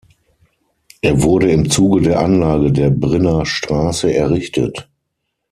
Er wurde im Zuge der Anlage der Brienner Straße errichtet.